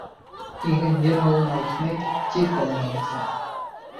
Иген ер һыуына үҫмәй, тир һыуына үҫә.